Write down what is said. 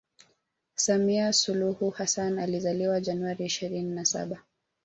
Samia suluhu Hassan alizaliwa January ishirini na saba